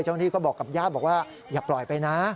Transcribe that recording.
เจ้าหน้าที่ก็บอกกับญาติอย่าปล่อยไปนะ